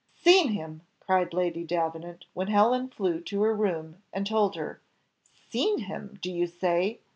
"Seen him!" cried Lady Davenant, when Helen flew to her room and told her; "seen him! do you say?"